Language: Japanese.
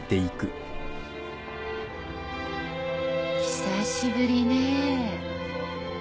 ・久しぶりねえ。